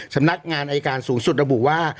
สำนักงานอายการสูงสุดระบุว่า